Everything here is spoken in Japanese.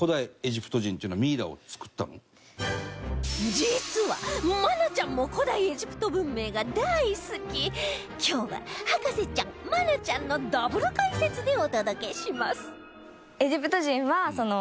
実は、愛菜ちゃんも古代エジプト文明が大好き今日は博士ちゃん、愛菜ちゃんのダブル解説でお届けします